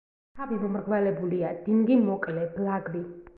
თავი მომრგვალებულია, დინგი მოკლე, ბლაგვი.